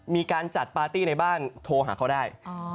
มีการจัดปาร์ตี้ในบ้านโทรหาเขาได้